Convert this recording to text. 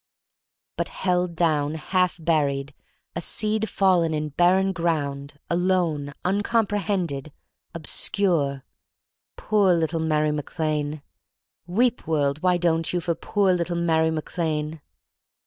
But held down, half buried, a seed fallen in bar ren ground, alone, uncomprehended, obscure — poor little Mary Mac Lane! Weep, world, — why don*t you? — for poor little Mary Mac Lane!